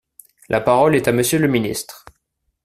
La parole est à Monsieur le ministre.